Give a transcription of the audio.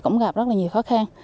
gặp rất nhiều khó khăn